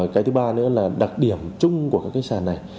cái thứ ba nữa là đặc điểm chung của các cái sàn này